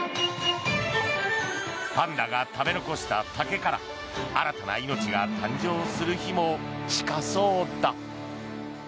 パンダが食べ残した竹から新たな命が誕生する日も近そうだ。